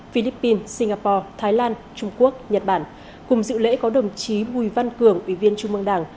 philippines singapore thái lan trung quốc nhật bản cùng dự lễ có đồng chí bùi văn cường ủy viên trung mương đảng